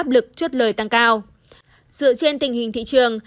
dựa trên tình hình thị trường